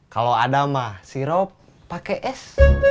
kalau ada mah sirup pakai es